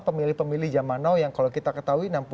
pemilih pemilih zaman now yang kalau kita ketahui